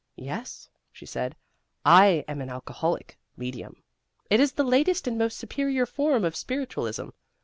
"Yes," she said, "I am an alcoholic medium. It is the latest and most superior form of spiritualism.